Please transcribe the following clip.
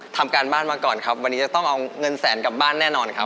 ทำการบ้านมาก่อนครับวันนี้จะต้องเอาเงินแสนกลับบ้านแน่นอนครับ